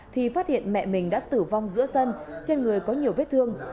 thì phát hiện mẹ mình đã tử vong giữa sân trên người có nhiều vết thương